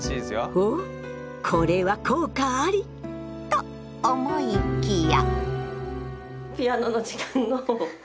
おっこれは効果あり？と思いきや。